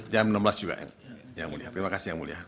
jam enam belas juga yang mulia terima kasih yang mulia